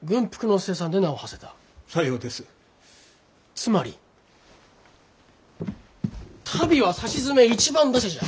つまり足袋はさしずめ１番打者じゃ。